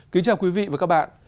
kính chào quý vị và các bạn